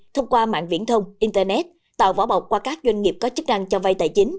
thông qua mạng viễn thông internet tạo võ bọc qua các doanh nghiệp có chức năng cho vay tài chính